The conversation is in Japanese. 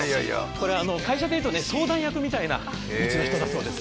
これ、会社でいうと相談役みたいな人のようです。